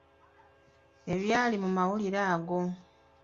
Ebyali mu mawulire ago.